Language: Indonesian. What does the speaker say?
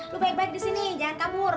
lu baik baik disini jangan kabur